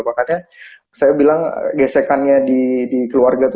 makanya saya bilang gesekannya di keluarga itu sangat luar biasa gitu